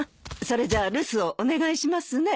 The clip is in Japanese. それじゃあ留守をお願いしますね。